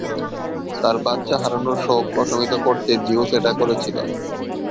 তার বাচ্চা হারানোর শোক প্রশমিত করতে জিউস এটা করেছিল।